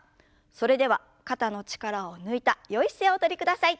それでは肩の力を抜いたよい姿勢をおとりください。